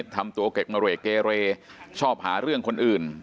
ทำตัวเกะมะเรกเกเรชอบหาเรื่องคนอื่น